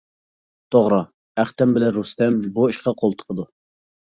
توغرا، ئەختەم بىلەن رۇستەم بۇ ئىشقا قول تىقىدۇ.